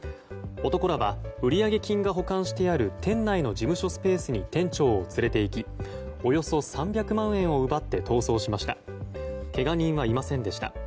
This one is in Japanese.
男らは売上金が保管してある店内の事務所スペースに店長を連れていきおよそ３００万円を奪って逃走しました。